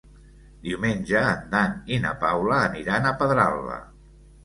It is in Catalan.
Diumenge en Dan i na Paula aniran a Pedralba.